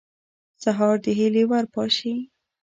سهار د هیلې ور پاشي.